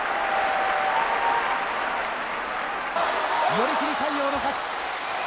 寄り切り、魁皇の勝ち。